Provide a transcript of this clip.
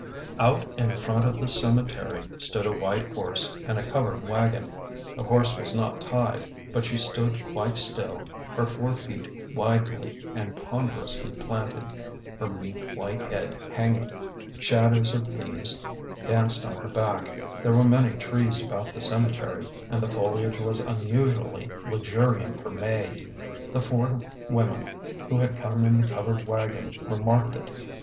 OUT in front of the cemetery stood a white horse and a covered wagon. The horse was not tied, but she stood quite still, her four feet widely and ponderously planted, her meek white head hanging. Shadows of leaves danced on her back. There were many trees about the cemetery, and the foliage was unusually luxuriant for May. The four women who had come in the covered wagon remarked it.